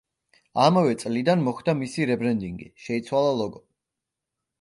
ამავე წლიდან მოხდა მისი რებრენდინგი, შეიცვალა ლოგო.